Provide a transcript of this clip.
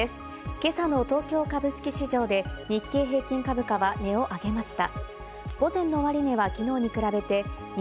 今朝の東京株式市場で日経平均株価は値を上げました。